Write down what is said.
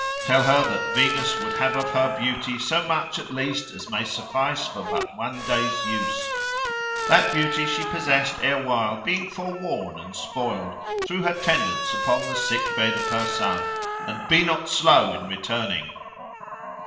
Tell her that Venus would have of her beauty so much at least as may suffice for but one day's use, that beauty she possessed erewhile being foreworn and spoiled, through her tendance upon the sick bed of her son; and be not slow in returning."